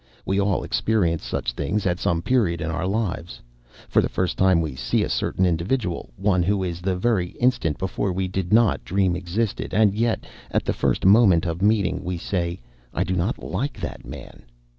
We all experience such things at some period in our lives. For the first time we see a certain individual, one who the very instant before we did not dream existed; and yet, at the first moment of meeting, we say: "I do not like that man."